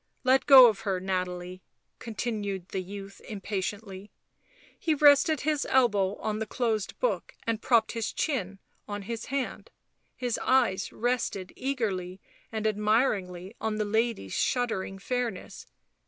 " Let go of her, Nathalie," continued the youth impatiently; he rested his elbow on the closed book and propped his chin on his hand ; his eyes rested eagerly and admiringly on the lady's shuddering fairness.